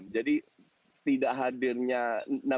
jadi salah satu noda